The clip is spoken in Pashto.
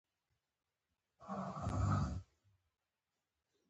په پښه کې مې لرګی ننوتی و خو دوی کش کولم